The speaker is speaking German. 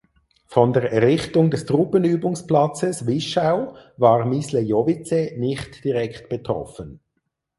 Von der Errichtung des Truppenübungsplatzes Wischau war Myslejovice nicht direkt betroffen.